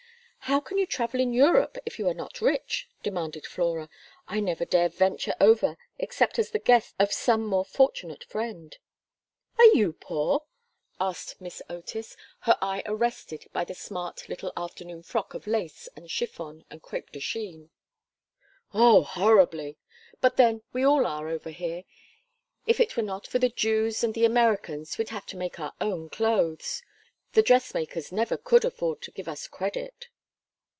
"How can you travel in Europe if you are not rich?" demanded Flora. "I never dare venture over except as the guest of some more fortunate friend." "Are you poor?" asked Miss Otis, her eye arrested by the smart little afternoon frock of lace and chiffon and crêpe de chine. "Oh, horribly. But then we all are, over here. If it were not for the Jews and the Americans we'd have to make our own clothes. The dressmakers never could afford to give us credit."